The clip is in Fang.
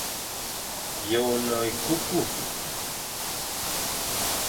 Yô e ne ékukur.